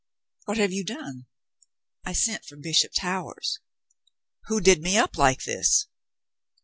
"What have you done ?'* "I sent for Bishop Towers." " Who did me up like this